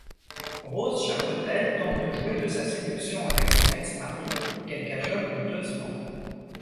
Rose Chapotel tente de jouer de sa séduction avec son ex-mari, qu'elle cajole honteusement.